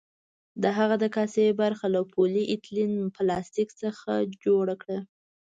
د هغه د کاسې برخه له پولي ایتلین پلاستیک څخه جوړه کړه.